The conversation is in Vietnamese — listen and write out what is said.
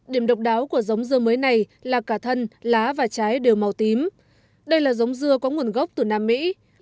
điểm độc đáo của giống dưa mới này là cả thân lá và trái đều màu tím đây là giống dưa có nguồn gốc từ nam mỹ